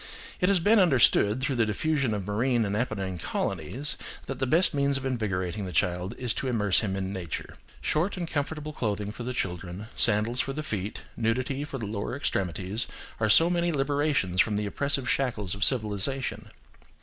It has been understood, through the diffusion of marine and Apennine colonies, that the best means of invigorating the child is to immerse him in nature. Short and comfortable clothing for children, sandals for the feet, nudity of the lower extremities, are so many liberations from the oppressive shackles of civilisation.